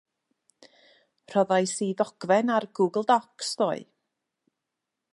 Rhoddais i ddogfen ar Google Docs ddoe.